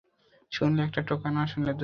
শুনলে একটা টোকা, না শুনলে দুটো।